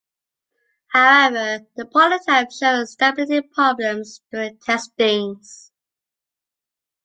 However, the prototype showed stability problems during testings.